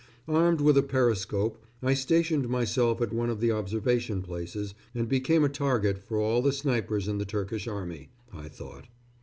Armed with a periscope, I stationed myself at one of the observation places, and became a target for all the snipers in the Turkish army, I thought.